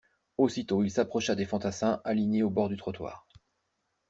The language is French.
Aussitôt il s'approcha des fantassins alignés au bord du trottoir.